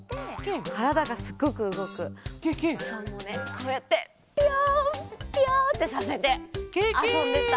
こうやってピヨンピヨンってさせてあそんでた。